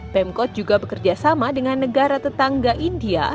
pemkot juga bekerjasama dengan negara tetangga india